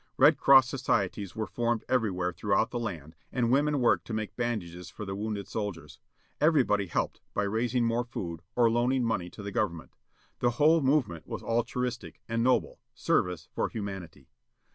Red Cross societies were formed everywhere throughout the land, and women worked to make bandages for the wounded soldiers. Everybody helped, by raising more food, or loaning money to the government. The whole movement was altruistic, and noble â Service for Humanity.